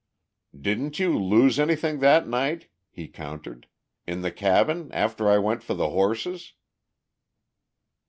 "Didn't you lose anything that night?" he countered. "In the cabin after I went for the horses?"